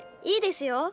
いいですよ。